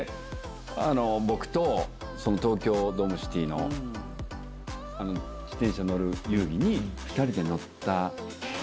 僕と東京ドームシティの自転車乗る遊具に。